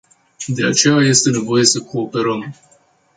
De aceea este nevoie să cooperăm.